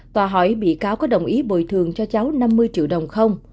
tòa hỏi bị cáo có đồng ý bồi thường cho cháu năm mươi triệu đồng không